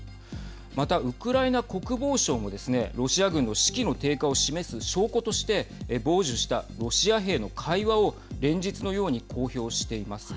また、ウクライナ国防省もですねロシア軍の士気の低下を示す証拠として傍受したロシア兵の会話を連日のように公表しています。